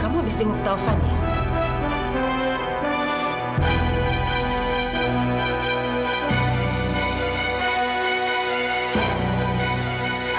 kamu habis singgup taufan ya